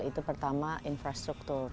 itu pertama infrastruktur